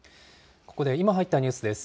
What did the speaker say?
ここで今入ったニュースです。